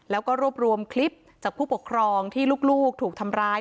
แล้วก็รวบรวมคลิปจากผู้ปกครองที่ลูกถูกทำร้าย